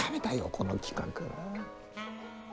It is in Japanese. この企画。